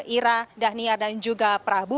irah dhania dan juga prabu